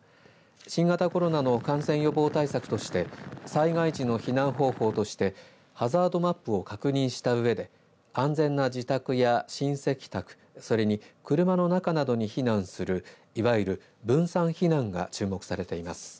新型コロナの感染予防対策として災害時の避難方法としてハザードマップを確認したうえで安全な自宅や親戚宅それに車の中などに避難するいわゆる、分散避難が注目されています。